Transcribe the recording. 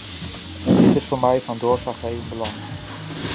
Dit is voor mij van doorslaggevend belang.